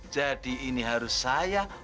jadi ini harus saya